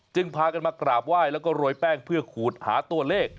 พากันมากราบไหว้แล้วก็โรยแป้งเพื่อขูดหาตัวเลข